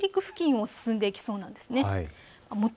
低気圧は北陸付近を進んでいきそうなんです。